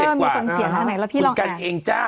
มีคนเขียนอันไหนแล้วพี่ลองแอบคุณกัลเองจ้า